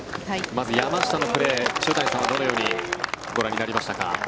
まず山下のプレー塩谷さんはどのようにご覧になりましたか？